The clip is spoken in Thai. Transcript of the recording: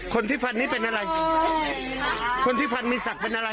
คนที่พันนี้เป็นอะไรคนที่พันมีศักดิ์เป็นอะไร